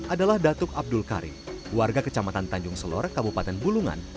adalah datuk abdul kari warga kecamatan tanjung selor kabupaten bulungan